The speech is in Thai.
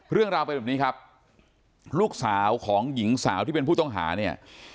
เรื่องราวเป็นแบบนี้ครับลูกสาวของหญิงสาวที่เป็นผู้ต้องหาเนี่ย